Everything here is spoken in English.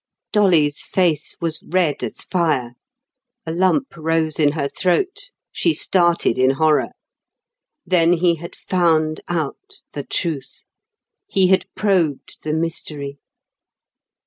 Dolly's face was red as fire. A lump rose in her throat; she started in horror. Then he had found out the Truth. He had probed the Mystery.